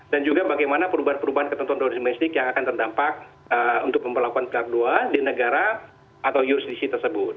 dan juga bagaimana perubahan perubahan ketentuan domestik yang akan terdampak untuk pemperlakuan pilar dua di negara atau jurisdiksi tersebut